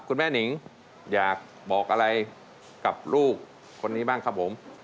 คุณแม่นิงอยากบอกอะไรกับลูกคนนี้บ้างครับผม